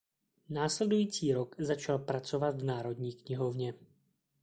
Následující rok začal pracovat v Národní knihovně.